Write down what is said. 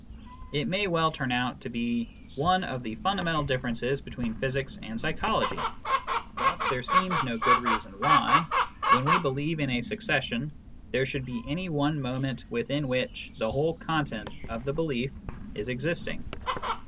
It may well turn out to be one of the fundamental differences between physics and E 42 BERT; RAND RUSSELL. psychology. Thus, there seems no good reason why, when we believe in a succession, there should be any one moment within which the whole content of the belief is existing.